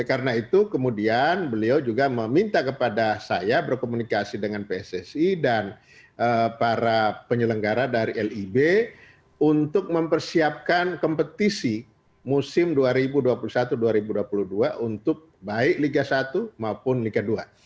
karena itu kemudian beliau juga meminta kepada saya berkomunikasi dengan pssi dan para penyelenggara dari lib untuk mempersiapkan kompetisi musim dua ribu dua puluh satu dua ribu dua puluh dua untuk baik liga satu maupun liga dua